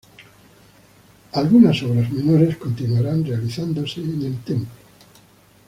Algunas obras menores continuarán realizándose en el templo.